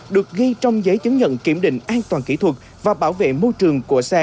được ghi trong giấy chứng nhận kiểm định an toàn kỹ thuật và bảo vệ môi trường của xe